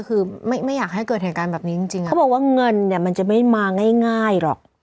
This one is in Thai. คือไม่ไม่อยากให้เกิดเหตุการณ์แบบนี้จริงจริงเขาบอกว่าเงินเนี่ยมันจะไม่มาง่ายหรอก